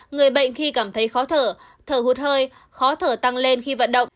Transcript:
người bệnh khi cảm thấy khó thở thở hụt hơi khó thở tăng lên khi vận động